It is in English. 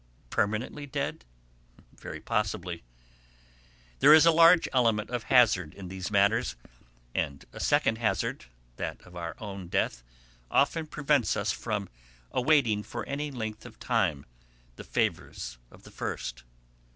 Permanently dead? Very possibly. There is a large element of hazard in these matters, and a second hazard, that of our own death, often prevents us from awaiting for any length of time the favours of the first.